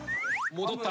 戻った！？